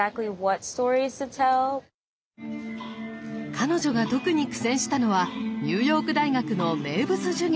彼女が特に苦戦したのはニューヨーク大学の名物授業！